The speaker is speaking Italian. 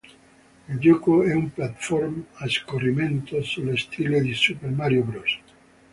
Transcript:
Il gioco è un platform a scorrimento, sullo stile di "Super Mario Bros.